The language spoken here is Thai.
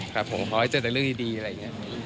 ครับผมขอให้เจอแต่เรื่องดีอะไรอย่างนี้